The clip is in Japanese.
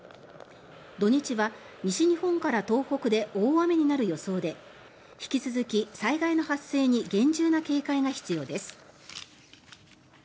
土日は西日本や東北で大雨になる予想で引き続き災害の発生に厳重な警戒が必要です。